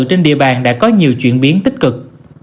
trên địa bàn đã có nhiều chuyển biến tích cực